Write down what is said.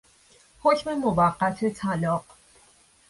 حکم موقت طلاق